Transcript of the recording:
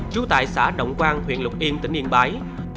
trú tại xã động quang huyện lục yên tỉnh yên bái